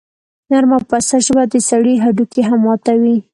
نرمه او پسته ژبه د سړي هډوکي هم ماتوي.